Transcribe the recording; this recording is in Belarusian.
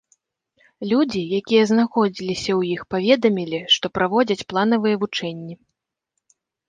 Людзі, якія знаходзіліся ў іх, паведамілі, што праводзяць планавыя вучэнні.